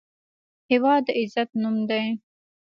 هېواد د عزت نوم دی.